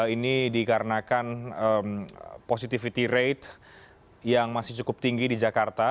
ini dikarenakan positivity rate yang masih cukup tinggi di jakarta